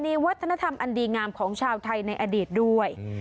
มีวัฒนธรรมอันดีงามของชาวไทยในอดีตด้วย